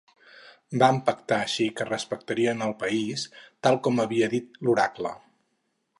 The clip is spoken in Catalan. Van pactar així que respectarien el país, tal com havia dit l'oracle.